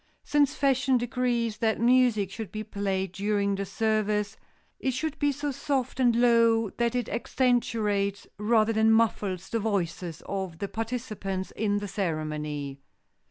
Since Fashion decrees that music should be played during the service, it should be so soft and low that it accentuates, rather than muffles the voices of the participants in the ceremony.